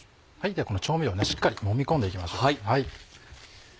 この調味料をしっかりもみ込んで行きましょう。